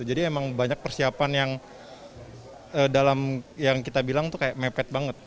jadi memang banyak persiapan yang dalam yang kita bilang itu kayak mepet banget